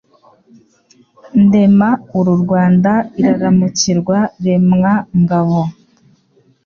Ndema uru Rwanda Iraramukirwa Remwa-ngabo